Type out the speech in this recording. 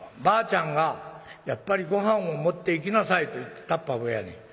ばあちゃんが『やっぱりごはんも持っていきなさい』と言ってタッパーウェアに。